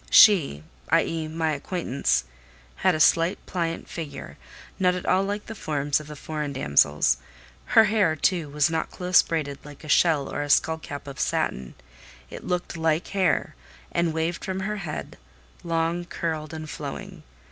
She (i.e. my acquaintance) had a slight, pliant figure, not at all like the forms of the foreign damsels: her hair, too, was not close braided, like a shell or a skull cap of satin; it looked like hair, and waved from her head, long, curled, and flowing.